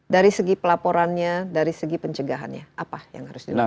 dari segi pelaporannya dari segi pencegahannya apa yang harus dilakukan